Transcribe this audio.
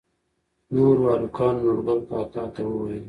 نوور هلکانو نورګل کاکا ته وويل